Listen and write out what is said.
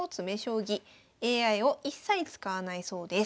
ＡＩを一切使わないそうです。